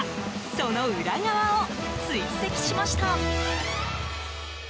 その裏側を追跡しました。